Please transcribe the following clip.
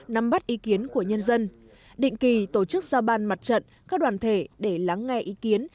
nắm bắt ý kiến của nhân dân định kỳ tổ chức giao ban mặt trận các đoàn thể để lắng nghe ý kiến